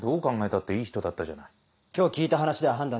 だっていい人だったじゃない。